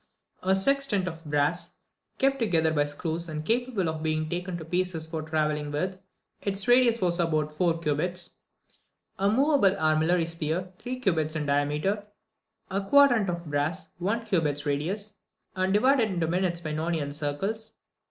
23. A sextant of brass, kept together by screws, and capable of being taken to pieces for travelling with. Its radius was four cubits. 24. A moveable armillary sphere, three cubits in diameter. 25. A quadrant of solid brass, one cubit radius, and divided into minutes by Nonian circles.